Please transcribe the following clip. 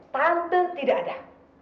tante tidak ada